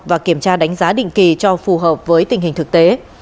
và kiểm tra đánh giá định kỳ cho phù hợp với tình hình thực tế